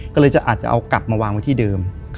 ก็เลยอาจจะเอากลับมาวางไว้ที่เดิม